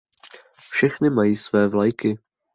Všechny mají své vlajky.